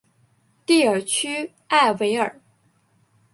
蒂尔屈埃维尔。